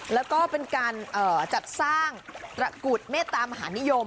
แล้วก็เป็นการจัดสร้างตระกุฎเมตตามหานิยม